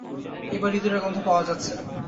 এইবার ইঁদুরের গন্ধ পাওয়া যাচ্ছে।